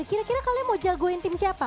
kira kira kalian mau jagoin tim siapa